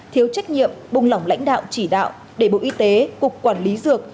thiếu trách nhiệm bùng lỏng lãnh đạo chỉ đạo đề bộ y tế cục quản lý dược